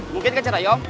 mungkin ke cerayam